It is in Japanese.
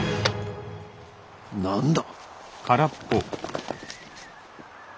何だ？